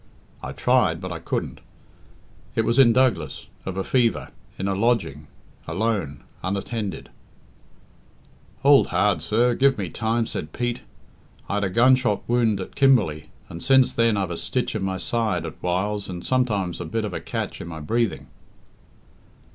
I tried, but I couldn't. It was in Douglas of a fever in a lodging alone unattended " "Hould hard, sir! Give me time," said Pete. "I'd a gunshot wound at Kimberley, and since then I've a stitch in my side at whiles and sometimes a bit of a catch in my breathing."